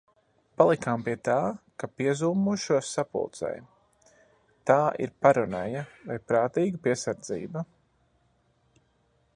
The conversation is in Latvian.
Palikām pie tā, ka piezūmošos sapulcei. Tā ir paranoja vai prātīga piesardzība?